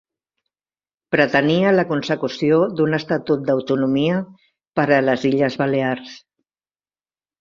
Pretenia la consecució d'un estatut d'autonomia per a les Illes Balears.